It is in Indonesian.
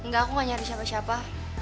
enggak aku nggak nyariin siapa siapa